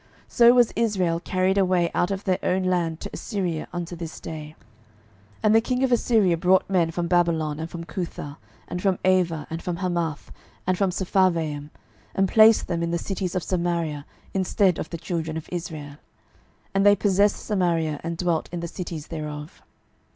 So was Israel carried away out of their own land to Assyria unto this day. 12:017:024 And the king of Assyria brought men from Babylon, and from Cuthah, and from Ava, and from Hamath, and from Sepharvaim, and placed them in the cities of Samaria instead of the children of Israel: and they possessed Samaria, and dwelt in the cities thereof.